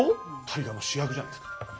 大河の主役じゃないですか。